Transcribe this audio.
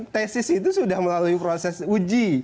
tesis itu sudah melalui proses uji